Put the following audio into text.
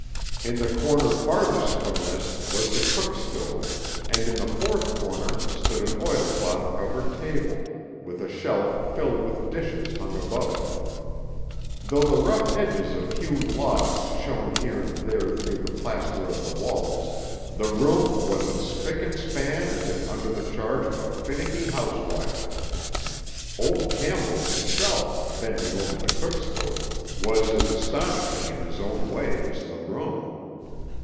In the corner farthest from this was the cook stove, and in the fourth corner stood an oilcloth covered table with a shelf filled with dishes hung above it. Though the rough edges of hewn logs shown here and there through the plaster of the walls, the room was as spick and span as if under the charge of a finicky housewife. Old Campbell himself, bending over the cook stove, was as astonishing in his own way as the room.